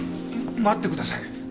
待ってください。